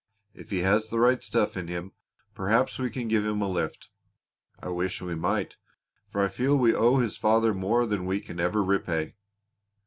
If he has the right stuff in him perhaps we can give him a lift. I wish we might, for I feel we owe his father more than we ever can repay."